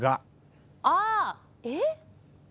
ああえっ？